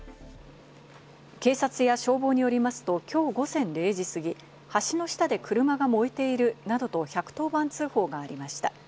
警察や消防によりますと今日午前０時過ぎ、橋の下で車が燃えているなどと１１０番通報がありました。